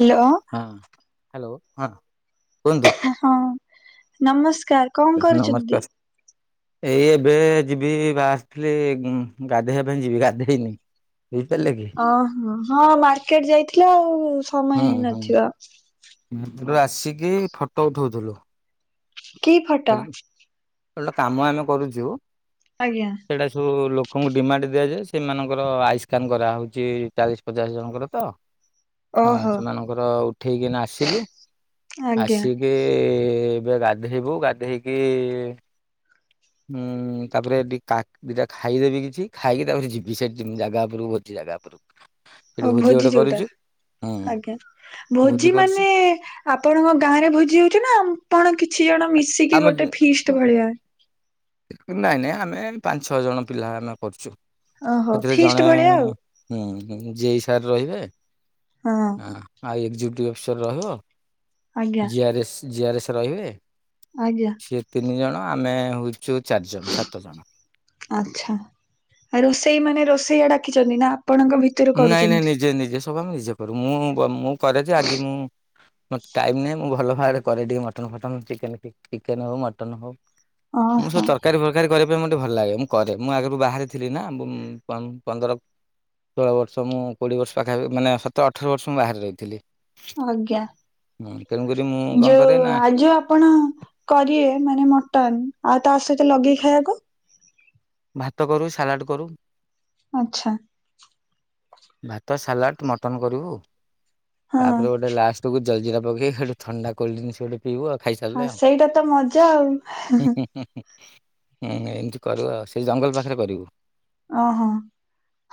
Hello. ହଁ hello ହଁ କୁହନ୍ତୁ। ହଁ ନମସ୍କାର। କଣ କରୁଛନ୍ତି? ନମସ୍କାର। ଏଇ ଏବେ ଯିବି ବା ଆସିଥିଲି ଗାଧେଇବା ପାଇଁ ଯିବି ଗାଧେଇନି। ହେଇପାରାଲା କି? ଅ ହ ହଁ ମାର୍କେଟ ଯାଇଥିଲ ଆଉ ସମୟ ହେଇନଥିବ। ହେତଳୁ ଆସିକି ଫଟୋ ଉଠଉଥିଲୁ। କି ଫଟୋ? ଭଲ କାମ ଆମେ କରୁଚୁ। ଆଜ୍ଞା। ସେଟା ସବୁ ଲୋକଙ୍କୁ ଡିମାଣ୍ଡ ଦିଆଯାଏ ସେମାନଙ୍କର ଆଇସ୍କାନ୍ କରାହେଉଛି ଚାଳିଶ ପଚାଶ ଜଣଙ୍କର ତ। ହଁ ଓହୋ ସେମାନଙ୍କର ଉଠେଇକିନା ଆସିଲୁ ଆଜ୍ଞା ଆସି କି ଏବେ ଗାଧେଇବୁ ଗାଧେଇକି ହୁଁ ତାପରେ ଦି କା ଦିଟା ଖାଇଦେବି କିଛି ଖାଇକି ତାପରେ ଯିବି ସେଠି ଜାଗା ଉପରକୁ ଭୋଜି ଜାଗା ଉପରକୁ। ସେଠି ଆଉ ଭୋଜି ଗୋଟେ ଯୋଉଟା କରୁଛୁ ଆଜ୍ଞା ଭୋଜି ମାନେ ଆପଣଙ୍କ ଗାଁ ରେ ଭୋଜି ହଉଛି ନା ଆପଣ କିଛି ଜଣ ମିଶ ଆମ ନାଇଁ ନାଇଁ ଆମେ ପାଞ୍ଚ ଛଅ ଜଣ ପିଲା ଆମେ କରୁଛୁ। ଓହୋ ସେଥିରେ ଫିଷ୍ଟ ଜଣେ ଭଳିଆ ଆଉ ହୁଁ ଜେଇ ସାର୍ ରହିବେ ହଁ। ହଁ ଆଉ ଏକଯ୍ୟୁଟ ଅଫିସର ରହିବ ଆଜ୍ଞା ଜି ଆର୍ଏସ୍ ଜି ଆର୍ଏସ୍ ରହିବେ। ଆଜ୍ଞା। ଇଏ ତିନି ଜଣ ଆମେ ହେଉଛୁ ଚାରିଜଣ ସାତ ଜଣ। ଆଛା ଆ ରୋଷେଇ ମାନେ ରୋଷେଇଆ ଡାକିଚନ୍ତି ନା ଆପଣଙ୍କ ଭିତ- ନାଇଁ ନାଇଁ ନିଜେ ନିଜେ ସବୁ ଆମେ ନିଜେ କରୁ ମୁଁ ମୁଁ କରେ ଯେ ଆଜି ମୁଁ- ମତ୍ ଟାଇମ୍ ନାହିଁ ମୁଁ ଭଲ ଭାବରେ କରେ ଟିକେ ମଟନ୍ ଫଟନ ଚିକେନ ଟିକେ ଚିକେନ ହଉ ମଟନ୍ ହଉ। ମୁଁ ସ ଓହୋ ତରକାରୀ ଭ କାରୀ କରିବା ପାଇଁ ମୋତେ ଭଲ ଲାଗେ। ମୁଁ କରେ ମୁଁ ଆଗରୁ ବାହାରେ ଥିଲି ନାଁ ବୁଁ ପ ପନ୍ଦର ଷୋଳ ବର୍ଷ ମୁଁ କୋଡ଼ିଏ ବର୍ଷ ପାଖାପି ମାନେ ସତର ଅଠର ବର୍ଷ ମୁଁ ବାହାରେ ରହିଥିଲି। ଅଜ୍ଞା। ହୁଁ ତେଣୁକରି ମୁଁ କଣ କରେ ନା ଯୋଉ ଯୋଉ ଆପଣ କରିଏ ମାନେ ମଟନ୍ ଆଉ ତା ସହିତ ଲଗେଇ ଖାଇଆକୁ? ଭାତ କରୁ ସାଲାଟ୍ କରୁ। ଆଚ୍ଛା। ଭାତ, ସାଲାଟ୍, ମଟନ କରିବୁ। ହଁ ତାପରେ ଗୋଟେ ଲାଷ୍ଟକୁ ଜଲଜିରା ପକେଇ ହଟେ ଥଣ୍ଡା କୋଲଡିନିସ୍ ଗୋଟେ ପିଇବୁ ଆଉ ଖାଇସା ହଁ, ସେଇଟା ତ ମଜା ଆଉ। ହୁଁ ହୁଁ। ହୁଁ ଏମିତି କରିବୁ ଆଉ ସେଇ ଜଙ୍ଗଲ ପାଖରେ କରିବୁ। ଅଁ ହଁ।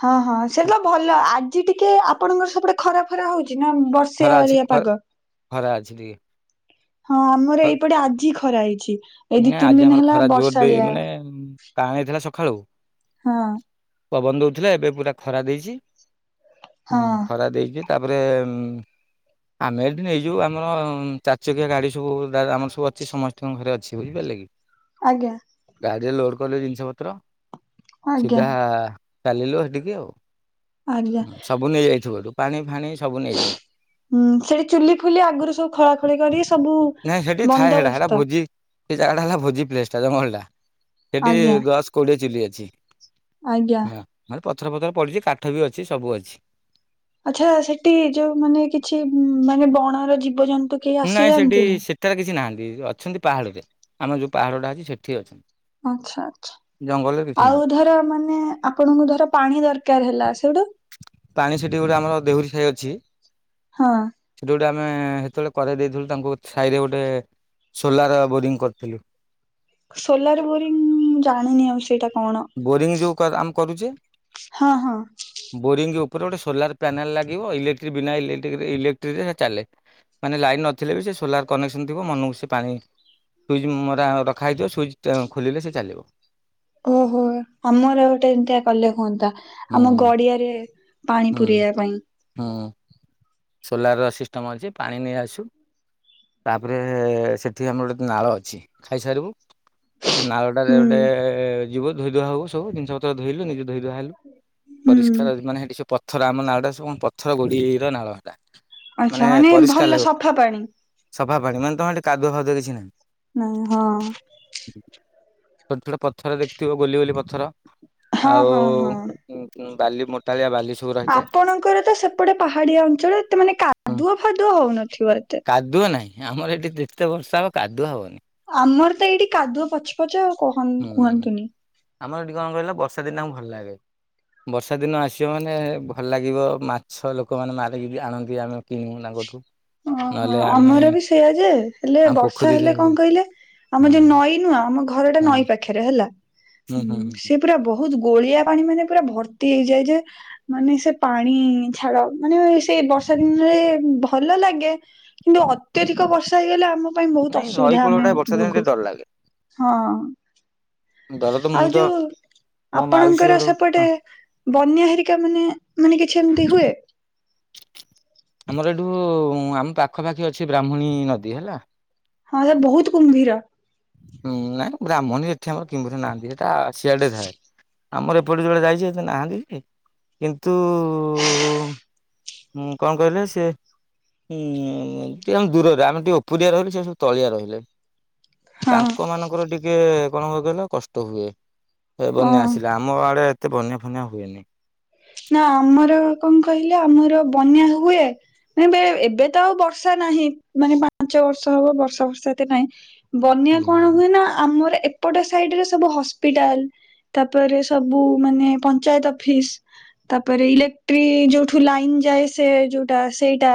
ହଁ ହଁ ସେ ତ ଭଲ ଆଜି ଟିକେ ଆପଣଙ୍କର ସେପଟେ ଖରା ଫରା ହଉଚି ନା ବର୍ଷ୍ ଖରା ଅଛି ଖ ଖରା ଅଛି ଟିକେ। ହଁ, ଆମର ଏଇପଟେ ଆଜି ଖରା ହେଇଛି। ଏଇ ଦି ନାଇଁ ତିନି ଆଜି ଦିନ ଆମର ହେଲା ଖରା ଜୋର ଦେ ବର୍ଷାଳିଆ ମାନେ କାଆଁଳେଇଥିଲା ସଖାଳୁ। ହଁ। ପବନ ଦୋଉଥୁଲା ଏବେ ପୁରା ଖରା ଦେଇଚି। ହୁଁ ହଁ ଖରା ଦେଇକି ତାପରେ ଆମେ ଏଠି ନେଇଯିବୁ ଆମର ଚାରି ଚକିଆ ଗାଡ଼ି ସବୁ ଦାଦା ଆମର ସବୁ ଅଛି ସମସ୍ତିଙ୍କ ଘରେ ଅଛି। ବୁଝିପାରିଲେ କି? ଆଜ୍ଞା। ଗାଡ଼ିରେ ଲୋଡ଼୍ କଲେ ଜିନିଷ ପତ୍ର ଆଜ୍ଞା ସିଧା କାଲିଲୁ ହେଠିକି ଆଉ। ଆଜ୍ଞା ସବୁ ନେଇଯାଇଥିବୁ ହେଠୁ ପାଣି ଫାଣି ସବୁ ନେଇଯାଉ। ହୁଁ, ସେଠି ଚୁଲି ଫୁଲି ଆଗୁରୁ ସବୁ ଖୋଳା ଖୋଳି କରି ସବୁ ନାଇଁ ସେଠି ଥାଏ ହେଟା ହେଟା ବନ୍ଦୋବସ୍ତ। ଭୋଜି ସେ ଜାଗାଟା ହେଲା ଭୋଜି ପ୍ଲେସ୍ ଜଙ୍ଗଲଟା ସେଠି ଆଜ୍ଞା ଦଶ କୋଡ଼ିଏ ଚୁଲି ଅଛି। ଆଜ୍ଞା ହଁ, ମାନେ ପଥର ଫଥର ପଡ଼ିଚି କାଠ ବି ଅଛି ସବୁ ଅଛି। ଆଚ୍ଛା, ସେଠି ଯୋଉ ମାନେ କିଛି ମାନେ ବଣର ଜୀବଜନ୍ତୁ କେହି ନାଇଁ ସେଠି ଆସିଯାଆନ୍ତିନି? ସେଠାରେ କିଛି ନାହାନ୍ତି ଅଛନ୍ତି ପାହାଡ଼ରେ ଆମର ଯୋଉ ପାହାଡ଼ଟା ଅଛି ସେଠି ଅଛନ୍ତି। ଆଚ୍ଛା ଆଚ୍ଛା ଜଙ୍ଗଲରେ କିଛି ଆଉ ନାହାନ୍ତି ଧର ମାନେ ଆପଣଙ୍କୁ ଧର ପାଣି ଦରକାର ହେଲା ସେଉଠୁ? ପାଣି ସେଠି ଗୋଟେ ଆମର ଦେହୁରୀ ସାହି ଅଛି। ହଁ। ସେଠି ଗୋଟେ ଆମେ ହେତୋଳେ କରେଇ ଦେଇଥିଲୁ ତାଙ୍କୁ ସାଇରେ ଗୋଟେ ସୋଲାର୍ ବୋରିଂ କରିଥିଲୁ। ସୋଲାର ବୋରିଂ ମୁଁ ଜାଣିନି ଆଉ ସେଇଟା କଣ? ବୋରିଂ ଯୋଉ କ ଆମ କରୁଚେ ହଁ ହଁ। ବୋରିଙ୍ଗ ଓପରେ ଗୋଟେ ସୋଲାର୍ ପ୍ୟାନେଲ ଲାଗିବ ଇଲେକ୍ଟ୍ର ବିନା ଇଲେକ୍ଟ୍ରିକ୍ ଇଲେକ୍ଟ୍ରିରେ ଚାଲେ। ମାନେ ଲାଇନ୍ ନଥିଲେ ବି ସେ ସୋଲାର୍ କନେକ୍ସନ୍ ଥିବ ମନକୁ ସେ ପାଣି ସୁଇଜ୍ ମରା ରଖାହେଇଥିବ ସୁଇଚ୍ ଟ ଖୋଲିଲେ ସେ ଚାଲିବ। ଓହୋ! ଆମର ଗୋଟେ ଏମିତିଆ କଲେ ହୁଅନ୍ତା ହୁଁ ଆମ ଗଡି଼ଆରେ ପାଣି ହୁଁ ପୁରେଇବା ପାଇଁ। ହୁଁ। ସୋଲାର୍ ର ସିଷ୍ଟମ୍ ଅଛି ପାଣି ନେଇଆସୁ। ତାପରେ ସେଠି ଆମର ନାଳ ଅଛି ଖାଇସାରିବୁ। ନାଳଟାରେ ହୁଁ ଓଟେ ଯିବ ଧୋଇ ଧୁଆ ହବୁ ସବୁ ଜିନିଷ ପତ୍ର ଧୋଇଲୁ ନିଜ ଧୋଇ ଧୁଆ ହେଲୁ ହୁଁ ପରିଷ୍କାର ମାନେ ହେଠି ସେ ପଥର ଆମ ନାଳଟା ସବୁ ଅଁ ପଥର ଗୋଡି଼ର ନାଳ। ଲା। ଆଛା, ମାନେ ଭଲ ସଫା ପାଣି। ସଫା ପାଣି, ମାନେ ତମ ହେଠି କାଦୁଅ ଫାଦୁଅ କିଛି ନାହିଁ। ନା ହଁ। ଛୋଟ ଛୋଟ ପଥର ଦେଖିଥିବ, ଗୋଲିଗୋଲି ପଥର? ହଁ ଆଉ ହଁ ହଁ। ବାଲି ମ ଆପଣଙ୍କର ତ ସେପଟେ ପାହାଡିଆ ଅଞ୍ଚଳ, ମାନେ ହୁଁ, କାଦୁଅ ଫାଦୁଅ ହଉନଥିବ ଏତେ। କାଦୁଅ ନାହିଁ, ଆମର ଏଠି ଯେତେ ବର୍ଷା ହବ କାଦୁଅ ହବନି। ଆମର ତ ଏଇଠି କାଦୁଅ ପଚପଚ କହନି, ହୁଁ କୁହନ୍ତୁନି। ଆମର ଏଠି କଣ କହିଲ, ବର୍ଷା ଦିନେ ଭଲ ଲାଗେ। ବର୍ଷା ଦିନ ଆସିବ ମାନେ ଭଲ ଲାଗିବ ମାଛ ଲୋକମାନେ ମାରିକି ବି ଆଣନ୍ତି, ଆମେ କିଣୁ ତାଙ୍କଠୁ ଓହୋ, ନହେଲେ ଆମେ ଆମର ବି ସେଇଆ ଯେ ହେଲେ ଆମ ବର୍ଷା ପୋଖରୀରେ ହେଲେ କଣ ହୁଁ କହିଲେ, ଆମ ଯୋଉ ହୁଁ ନଈ ନୁହଁ, ଆମ ଘରଟା ନଈ ହୁଁ ପାଖରେ ହେଲା। ହୁଁ, ସେ ପୁରା ବହୁତ ଗୋଳିଆ ପାଣି ମାନେ ପୁରା ଭର୍ତ୍ତି ହେଇଯାଏ ଯେ, ମାନେ ସେ ପାଣି ଛାଡ଼, ମାନେ ସେଇ ବର୍ଷା ଦିନରେ ଭଲ ଲାଗେ କିନ୍ତୁ ଅତ୍ୟଧିକ ବର୍ଷା ହେଇଗଲେ, ଆମ ପାଇଁ ବହୁତ ନାଇଁ ନଈ ଅସୁବିଧା ଆମେ କୂଳଟା ବର୍ଷା ଦିନେ ଭୋଗୁ। ଟିକେ ଡର ଲାଗେ। ହଁ, ଦର ତ ମୁଁ ଆଉ ତ ଯୋଉ ମୋ ମାଉସୀ ଆପଣଙ୍କର ଘର ସେପଟେ ବନ୍ୟା ହେରିକା ମାନେ, ମାନେ କିଛି ଏମିତି ହୁଏ? ଆମର ଏଇଠୁ ଆମ ପାଖପାଖି ଅଛି ବ୍ରାହ୍ମଣୀ ନଦୀ ହେଲା। ହଁ ବେ ବହୁତ କୁମ୍ଭୀର। ହୁଁ, ନାଇଁ ବ୍ରାହ୍ମଣ ସେଠି ଆମର କିମ୍ଭରି ନାହାନ୍ତି, ସେଇଟା ସିଆଡେ ଥାଏ। ଆମର ଏପଟେ ଯଉ ଯାଇଛି ଏତେ ନାହାନ୍ତି ଯେ କିନ୍ତୁ ମୁଁ କଣ କହିଲ ସିଏ ହୁଁ, ଟିକେ ଆମେ ଦୂରରେ, ଆମେ ଟିକେ ଉପୁରିଆ ରହିଲୁ, ସେ ସବୁ ତଳିଆ ରହିଲେ। ହଁ। ତାଙ୍କ ମାନଙ୍କର ଟିକେ କଣ କହିଲ କଷ୍ଟ ହୁଏ, ଅଁ ବନ୍ୟା ଆସିଲେ, ଆମ ଆମ ଆଡେ ଏତେ ବନ୍ୟା ଫନ୍ୟା ହୁଏନି। ନା ଆମର କଣ କହିଲେ, ଆମର ବନ୍ୟା ହୁଏ। ମାନେ ଏବେ ତ ଆଉ ବର୍ଷା ନାହିଁ, ମାନେ ପାଞ୍ଚ ବର୍ଷ ହବ ବର୍ଷା ବର୍ଷା ଏତେ ନାହିଁ। ବନ୍ୟା ହୁଁ କଣ ହୁଏ ନା, ଆମର ଏପଟ ସାଇଡରେ ସବୁ ହସ୍ପିଟାଲ, ତାପରେ ସବୁ ମାନେ ପଞ୍ଚାୟତ ଅଫିସ। ତାପରେ ଇଲେକ୍ଟ୍ରି ଯୋଉଠୁ ଲାଇନ ଯାଏ, ସେ ଯୋଉଟା ସେଇଟା,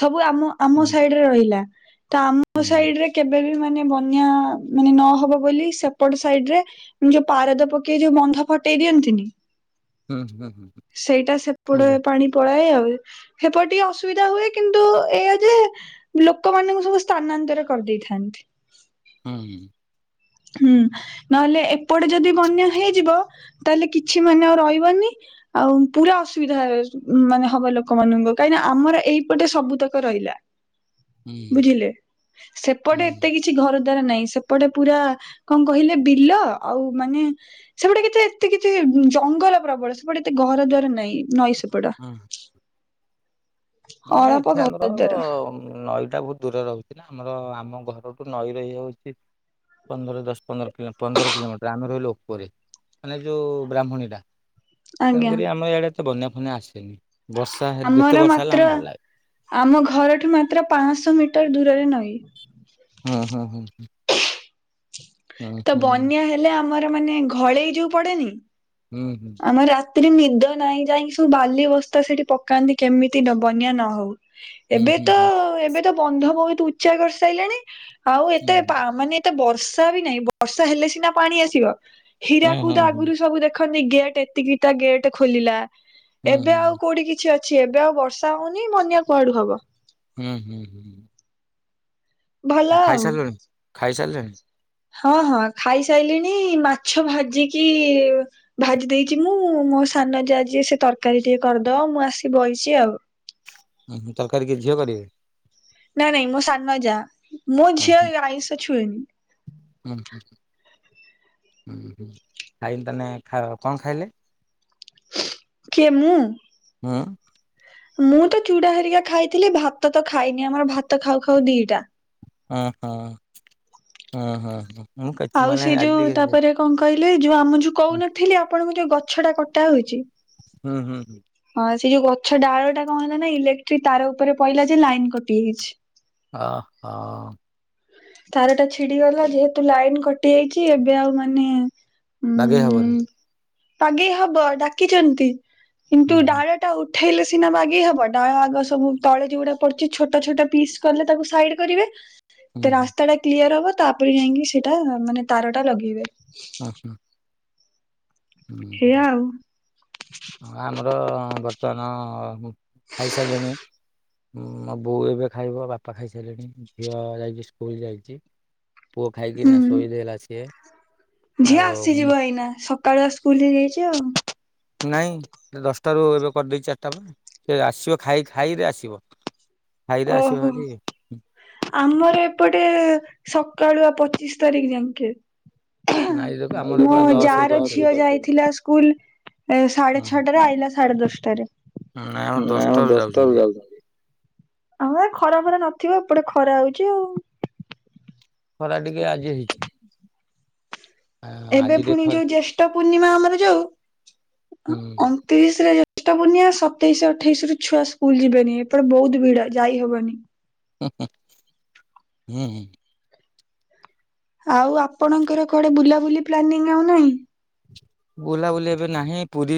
ସବୁ ଆମ ହୁଁ ଆମ ସାଇଡ ରେ ରହିଲା, ତ ଆମ ହୁଁ ସାଇଡ ରେ କେବେ ବି ମାନେ ବନ୍ୟା ମାନେ ନହବ ବୋଲି ସେପଟ ସାଇଡ ରେ ଯୋଉ ପାରଦ ପକେଇକି ଯୋଉ ବନ୍ଧ ଫଟେଇ ଦିଅନ୍ତିନି ହୁଁ ହୁଁ ହୁଁ। ସେଇଟା ବୁଝ ସେପଡୁଆ ପାଣି ପଳାଏ ଆଉ। ହେପଟ ଟିକେ ଅସୁବିଧା ହୁଏ, କିନ୍ତୁ ଏଇଆ ଯେ ଲୋକମାନଙ୍କୁ ସବୁ ସ୍ଥାନାନ୍ତର କରିଦେଇଥାନ୍ତି। ହଁଁ। ହୁଁ, ନହେଲେ ଏପଟେ ଯଦି ବନ୍ୟା ହେଇଯିବ, ତାହେଲେ କିଛି ମାନେ ଆଉ ରହିବନି। ଆଉ ପୁରା ଅସୁବିଧା ମାନେ ହବ ଲୋକମାନଙ୍କୁ, କାହିଁକିନା ଆମର ଏଇପଟେ ସବୁ ତକ ରହିଲା। [inaudible] ବୁଝିଲେ? ସେପଟେ ହୁଁ ଏତେ କିଛି ଘର ଦ୍ୱାର ନାହିଁ, ସେପଟେ ପୁରା କଣ କହିଲେ, ବିଲ ଆଉ ମାନେ ସେପଟେ କେତେ ଏତେ କିଛି ଜଙ୍ଗଲ ପ୍ରବଳ, ସେପଟେ ଏତେ ଘର ଦ୍ୱାର ନାଇଁ, ନଈ ସେପଟ ହଁ। [unintelligible] ନାଇଁ, ଅଳପ ଏଠି ଘର ଆମର ଦ୍ୱାର ନଈଟା ବହୁତ ଦୂର ରହୁଛି ନା, ଆମର ଆମ ଘରଠୁ ନଈର ଇଏ ହଉଛି ପନ୍ଦର ଦଶ୍ ପନ୍ଦର କିଲୋ ପନ୍ଦର କିଲୋମିଟର ଆମେ ରହିଲୁ ଉପରେ, ମାନେ ଯୋଉ ବ୍ରାହ୍ମଣୀଟା ଆଜ୍ଞା ତେଣୁକରି ଆମ ଆଡେ ତ ବନ୍ୟା ଫନା ଆସେନି ବର୍ଷା ହେ ଯେତେ ବର୍ଷା ହେଲେ ତ୍ର ଆମ ଭଲ ଲାଗେ ଆମ ଘରଠୁ ମାତ୍ର ପାଂଶହ ମିଟର ଦୂରରେ ନଈଁ। ହଁ, ହଁ, ହଁ। ତ ବନ୍ୟା ହେଲେ ଆମର ମାନେ ଘଳେଇ ଯୋଉ ପଡେନି ହୁଁ, ହୁଁ। ଆମର ରାତିରେ ନିଦ ନାହିଁ ଯାଇକି ସବୁ ବାଲି ବସ୍ତା ସେଠି ପକାନ୍ତି କେମିତି ବନ୍ୟା ନହଉ। ଏବେ ହୁଁ ହୁଁ ତ ହୁଁ ଏବେ ତ ବନ୍ଧ ବହୁତ ଉଚ୍ଚା କରି ସାରିଲାଣି। ଆଉ ଏତେ ପା ମାନେ ଏତେ ବର୍ଷା ବି ନାହିଁ ବର୍ଷା ହେଲେ ସିନା ପାଣି ଆସିବ। ହୁଁ ହୁଁ ହୀରାକୁଦ ଆଗରୁ ହୁଁ ସବୁ ଦେଖନ୍ତି ଗେଟ୍ ଏତିକିଟା ଗେଟ୍ ଖୋଲିଲା। ହୁଁ ହୁଁ ଏବେ ହୁଁ ଆଉ କୋଉଠି କିଛି ଅଛି। ଏବେ ଆଉ ବର୍ଷା ହଉନି ବନ୍ୟା କୁଆଡୁ ହବ। ହୁଁ, ହୁଁ, ହୁଁଁ। ଭଲ ଆଉ। ଖାଇସାରିଲୁଣି ଖାଇସାରିଲେଣି? ହଁ, ହଁ ଖାଇସାଇଲିଣି। ମାଛ ଭାଜିକି ଭାଜି ଦେଇଚି ମୁଁ ମୋ ସାନ ଯା ଯିଏ ସେ ତରକାରୀ ଟିକେ କରିଦବ ମୁଁ ଆସିି ବଇଛି ଆଉ। ତରକାରୀ କିଏ ଝିଅ କରିବେ? ନାଇଁ ନାଇଁ ମୋ ସାନ ଯା ମୋ ଝିଅ ଏ ଆଇଁଷ ଛୁଏଁନି। ଉଁ ହୁଁ ଖାଇନି ତାହେନେ ଖା କଣ ଖାଇଲେ? କିଏ ମୁଁ? ହୁଁ ମୁଁ ତ ଚୁଡା ହେରିକା ଖାଇଥିଲି ଭାତ ତ ଖାଇନି ଆମର ଭାତ ଖାଉ ଖାଉ ଦିଟା। ହଁ ହଁ ହଁ ହଁ ହଁ ମୁଁ କେତେ ଆଉ ସେ ମାନେ ଯୋଉ ଆଜିି ତାପରେ କଣ କହିଲେ ଯୋଉ ଆମ ଯୋଉ କହୁନଥିଲି ଆପଣଙ୍କୁ ଯୋଉ ଗଛଟା କଟା ହଉଛି ହୁଁ, ହୁଁ। ହଁ ସେ ଯୋଉ ଗଛ ଡାଳଟା କଣ ହେଲା ନା ଇଲେକ୍ଟ୍ରିକ୍ ତାର ଉପରେ ପହିଲା ଯେ ଲାଇନ କଟି ଯାଇଛି। ଅ ହ ତାର ଟା ଛିଡି ଗଲା ଯେହେତୁ ଲାଇନ କଟି ଯାଇଛି ଏବେ ଆଉ ମାନେ ବାଗେଇ ହବନି। ପାଗେଇ ହବ ଡାକିଛନ୍ତି କିନ୍ତୁ ହୁଁ ହୁଁ ଡାଳ ଟା ଉଠେଇଲେ ସିନା ବାଗେଇ ହବ ଡାଳ ଆଗ ସବୁ ତଳେ ଯୋଉଗୁଡା ପଡିଛି ଛୋଟ ଛୋଟ ପିସ୍ କଲେ ତାକୁ ସାଇଡ୍ କରିବେ। ହୁଁ ହୁଁ ରାସ୍ତାଟା କ୍ଲିୟର ହବ ତାପରେ ଯାଇକି ସେଟା ମାନେ ତାରଟା ଲଗେଇବେ। ଓ ହଁ ହୁଁ ହୁଁ। ହେଇଆ ଆଉ ଆମର ବର୍ତ୍ତମାନ ଖାଇସାରିଲିଣି। ମୋ ବୋଉ ଏବେ ଖାଇବ ବାପା ଖାଇସାରିଲେଣି ଝିଅ ଯାଇଛି ସ୍କୁଲ ଯାଇଚି। ପୁଅ ହୁଁ ଖାଇକିନା ଶୋଇଦେଲା ସିଏ ଆଉ କିନା ଶ। ସକାଳୁଆ ସ୍କୁଲ ହେଇଯାଇଛି ଆଉ ନାଇଁ ଦଶଟାରୁ ଏବେ କରିଦେଇଛି ଚାରିଟା ବା ସେ ଆସିବ ଖାଇ-ଖାଇରେ ଆସିବ। ଖାଇରେ ଆସିବ ଓହୋ। ଭାରି ଆମର ଏପଟେ ସକାଳୁଆ ପଚିଶି ତାରିଖ ଯାଙ୍କେ। ନାଇଁ ଆମର ମୋ ଏପଟେ ଯାଆ ଦଶରୁ ର କରିଛନ୍ତି। ଝିଅ ଯାଇଥିଲା ସ୍କୁଲ। ଏ ସାଢେ ହୁଁ ଛଟାରେ ଆଇଲା ସାଢେ ଦଶଟାରେ। ନାଇଁ ହୁଁ ନାଇ ଦଶଟାରୁ ଆମର ଯାଉଛନ୍ତି ଦଶଟାରେ ଯାଉଛି। ହଁ ଖରା ଭରା ନଥିବ ଏପଟେ ଖରା ହଉଚି ଆଉ। ଖରା ଟିକେ ଆଜି ହେଇଛି ଆ ଏବେ ଆଜି ଟିକେ ପୁଣି ଥରେ ଯୋଉ ଜ୍ୟେଷ୍ଠ ପୂର୍ଣ୍ଣିମା ଆମର ଅଂ ହୁଁ ତିରିଶରେ ଜ୍ୟେଷ୍ଠ ପୁର୍ଣ୍ଣିମା ସତେଇଶ ଅଠେଇଶ ରୁ ଛୁଆ ସ୍କୁଲ ଯିବେନି ଏପଟେ ବହୁତ ଭିଡ ଯାଇହବନି ହୁଁ ହୁଁ ଆଉ ଆପଣଙ୍କର କୁଆଡେ ବୁଲାବୁଲି ପ୍ଲାନିଂ ଆଉ ନାହିଁ। ବୁଲାବୁଲି ଏବେ ନାହିଁ, ପୁରୀ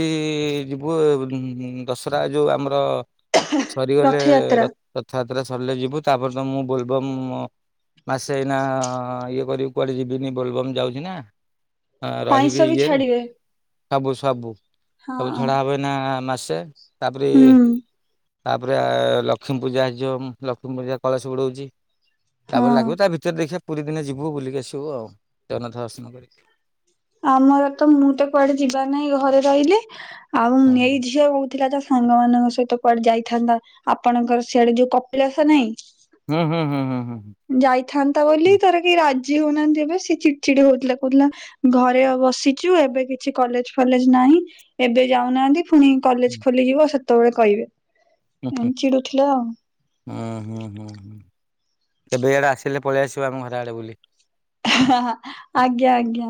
ଯିବୁ ଦଶହରା ଯୋଉ ଆମର ସରିଗଲେ ରଥଯାତ୍ରା? ରଥଯାତ୍ରା ସରିଲେ ଯିବୁ, ତାପରେ ତ ମୁଁ ବୋଲବମ୍ ମାସେ ଏଇନା ଇଏ କରିବି କୁଆଡେ ଯିବିନି, ବୋଲବମ୍ ଯାଉଛି ନା। ହଁ ଆଇଁଷ ରହିବି ବି ଏଇଥିରେ। ଛାଡିବେ ସବୁ ସବୁ ସବୁ ହଁ ଛଡା ହବ ନା ମାସେ, ତାପରେ ହୁଁ ତାପରେ ଲକ୍ଷ୍ମୀ ପୂଜା ଆସିଯିବ ଲକ୍ଷ୍ମୀ ପୂଜା କଳସ ବୁଡଉଚି, ହଁ। ତାପରେ ଲାଗିବ ତା ଭିତରେ ତ ଦେଖିବା ପୁରୀ ଦିନେ ଯିବୁ ବୁଲିକ ଆସିବୁ ଆଉ, ଜଗନ୍ନାଥ ଦର୍ଶନ କରିକି। ଆମର ତ ମୁଁ ତ କୁଆଡେ ଯିବାର ନାହିଁ ଘରେ ରହିଲି, ଆଉ ହଁ ନେଇ ଝିଅ ଥିଲା ତା ସାଙ୍ଗ ମାନଙ୍କ ସହିତ କୁଆଡେ ଯାଇଥାନ୍ତା ଆପଣଙ୍କର ସିଆଡେ ଯୋଉ କପିଳାସ ନାଇଁ। ହୁଁ ହୁଁ ହୁଁ। ଯାଇଥାନ୍ତା ବୋଲି ତାର କେହି ରାଜି ହଉନାହାନ୍ତି ଏବେ ସେ ଚିଡି ଚିଡି ହଉଥିଲା କହୁଥିଲା। ଘରେ ବସିଛୁ ଏବେ କିଛି କଲେଜ ଫଲେଜ ନାହିଁ ଏବେ ଯାଉନାହାନ୍ତି ପୁଣି କଲେଜ ହୁଁ ଖୋଲିଯିବ ସେତେବେଳେ କହିବେ, ହୁଁ ଏମିତି ଚିଡୁଥିଲା ଆଉ। ହୁଁ ହୁଁ ହୁଁ ହୁଁ କେବେ ଆଡେ ଆସିଲେ ପଳେଇ ଆସିବ ଆମ ଘର ଆଡେ ବୁଲି। ହା ହା ଆଜ୍ଞା ଆଜ୍ଞା।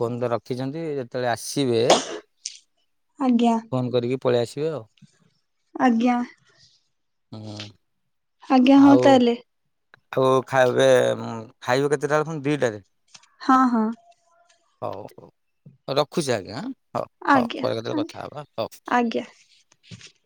ଫୋନ ତ ରଖିଛନ୍ତି ଯେତେବେଳେ ଆସିବେ ଆଜ୍ଞା। ଫୋନ୍ କରିକି ପଳେଇ ଆସିବେ ଆଉ। ଆଜ୍ଞା। ହୁଁ ଆଜ୍ଞା ହଉ ଆଉ ତାହେଲେ ଆଉ ଖାଇ ଏବେ ଖାଇବ କେତେଟା ର ଦିଟା। ହଁ ହଁ। ହଉ ହଉ ରଖୁଛି ଆଜ୍ଞା ହଉ ହଉ ଆଜ୍ଞା ପରେ କେତେବେଳେ ଆଜ୍ଞା କଥା ହେବା ହଉ। ଆଜ୍ଞା [unintelligible] [inaudible]